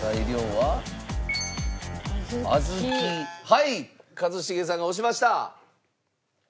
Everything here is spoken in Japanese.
はい一茂さんが押しました。